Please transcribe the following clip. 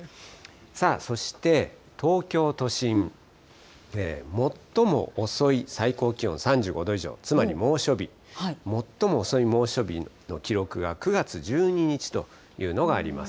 さあ、そして東京都心、最も遅い最高気温３５度以上、つまり猛暑日、最も遅い猛暑日の記録が９月１２日というのがあります。